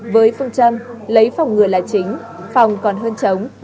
với phong trâm lấy phòng ngừa là chính phòng còn hơn chống